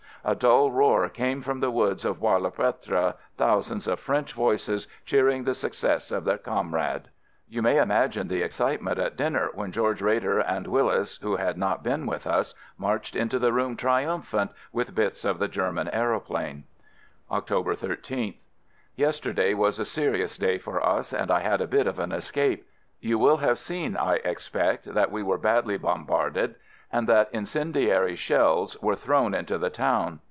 A dull roar came from the woods of Bois le Pretre, thousands of French voices cheering the success of their comrade. FIELD SERVICE 145 You may imagine the excitement at dinner when George Roeder and Willis, who had not been with us, marched into the room triumphant, with bits of the German aeroplane. October 13th. Yesterday was a serious day for us and I had a bit of an escape. You will have seen, I expect, that we were badly bom barded and that incendiary shells were thrown into the town.